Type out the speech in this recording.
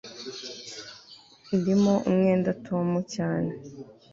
Ndimo umwenda Tom cyane